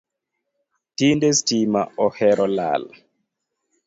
Tinde stima ohero lal